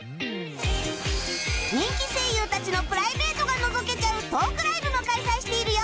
人気声優たちのプライベートがのぞけちゃうトークライブも開催しているよ